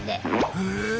へえ。